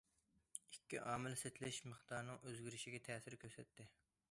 ئىككى ئامىل سېتىلىش مىقدارىنىڭ ئۆزگىرىشىگە تەسىر كۆرسەتتى.